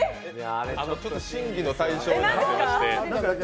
ちょっと審議の対象になってまして。